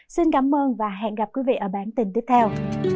xin cảm ơn và hẹn gặp quý vị ở bản tin tiếp theo